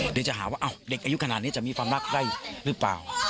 เดี๋ยวจะหาว่าเด็กอายุขนาดนี้จะมีความรักได้หรือเปล่า